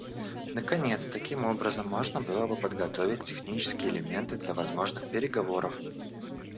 Наконец, таким образом можно было бы подготовить технические элементы для возможных переговоров.